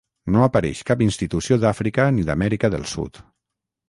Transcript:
No apareix cap institució d'Àfrica ni d'Amèrica del Sud.